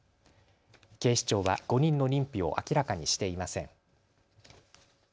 警視庁は５人の認否を明らかにしていません。